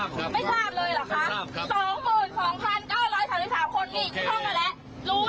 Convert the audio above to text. ไม่รู้เลยหรอกคะว่ามีประชาชนตายไปกี่คนบ้าง